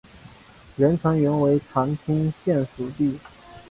连城原为长汀县属地。